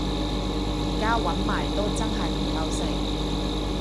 而家搵埋都真係唔夠食